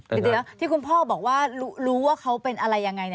เดี๋ยวที่คุณพ่อบอกว่ารู้ว่าเขาเป็นอะไรยังไง